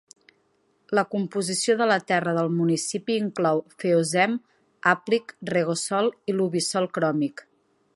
La composició de la terra del municipi inclou feozem hàplic, regosol i luvisol cròmic.